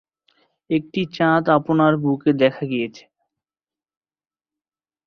একটি চাঁদ আপনার বুকে দেখা দিয়েছে।